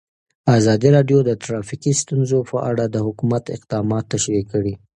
ازادي راډیو د ټرافیکي ستونزې په اړه د حکومت اقدامات تشریح کړي.